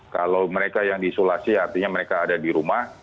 kalau mereka yang diisolasi artinya mereka ada di rumah